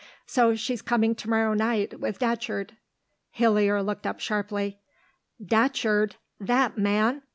"So she's coming to morrow night, with Datcherd." Hillier looked up sharply. "Datcherd! That man!"